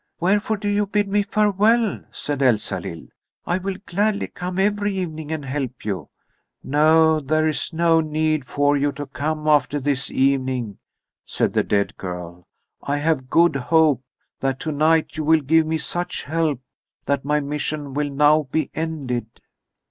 "Wherefore do you bid me farewell?" said Elsalill. "I will gladly come every evening and help you." "No, there is no need for you to come after this evening," said the dead girl. "I have good hope that tonight you will give me such help that my mission will now be ended."